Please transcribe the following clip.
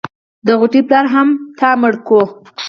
د غوټۍ پلار هم تا مړ کو.